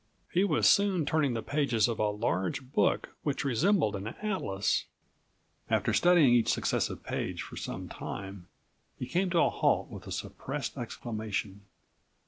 He was soon turning the pages of a large book which resembled an atlas. After studying each successive page for some time, he came to a halt with a suppressed exclamation.